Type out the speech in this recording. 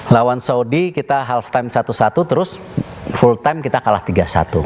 lawan saudi kita half time satu satu terus full time kita kalah tiga satu